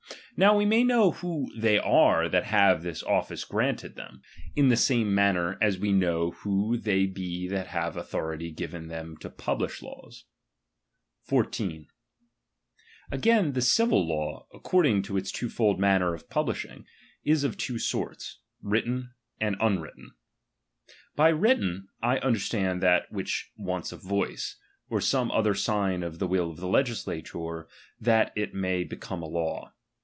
Now we may know who they are that have this office granted them, iu the VOL. II. o 194 CHAP. XIV. same manner as we know who they be that have '■' authority given them to publish lawa. i!«dt'Ld '^" Again the civil /aw, according to its two iiiu .vritien fold mauuer of publishing, is of two sorts, written °"'""*" and unwritten. By written, I understand that which wants a voice, or some other sign of the ^L will of the legislator, that it may become a law.